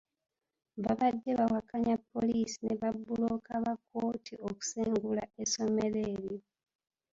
Baabadde bawakanya poliisi ne babbulooka ba kkooti okusengula essomero eryo.